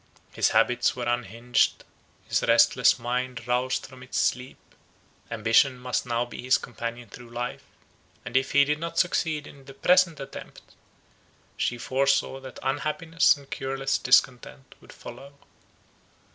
His habits were unhinged; his restless mind roused from its sleep, ambition must now be his companion through life; and if he did not succeed in his present attempt, she foresaw that unhappiness and cureless discontent would follow.